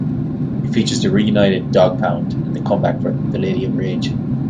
It features the reunited Dogg Pound and the comeback for The Lady of Rage.